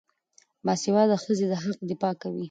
باسواده ښځې د حق دفاع کوي.